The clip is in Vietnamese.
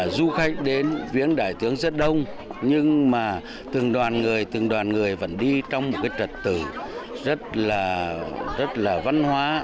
du khách đến viễn đại tướng rất đông nhưng mà từng đoàn người vẫn đi trong một cái trật tự rất là văn hóa